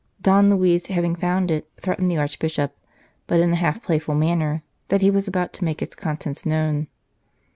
Don Luis, having found it, threatened the Archbishop, but in a half playful manner, that he was about to make its contents known.